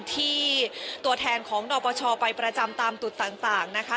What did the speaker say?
ที่ตัวแทนของนปชไปประจำตามจุดต่างนะคะ